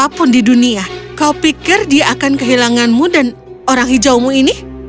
apapun di dunia kau pikir dia akan kehilanganmu dan orang hijaumu ini